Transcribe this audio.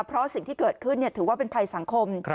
เพราะสิ่งที่เกิดขึ้นถือว่าเป็นภัยสังคม